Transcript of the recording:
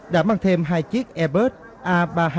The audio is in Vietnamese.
đã mang thêm hai chiếc airbus a ba trăm hai mươi